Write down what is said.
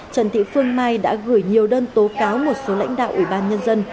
trần thị phương mai đã gửi nhiều đơn tố cáo một số lãnh đạo ủy ban nhân dân